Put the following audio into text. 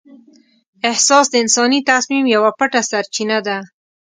احساس د انساني تصمیم یوه پټه سرچینه ده.